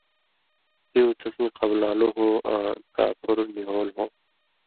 ہِیُو تسیں قبلان٘لو ہو آں کاپھُر نی ہول ہو۔